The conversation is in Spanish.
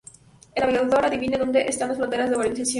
El navegador adivina donde están las fronteras de organización.